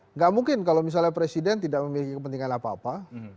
nggak mungkin kalau misalnya presiden tidak memiliki kepentingan apa apa